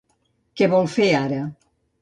Què vol fer ara?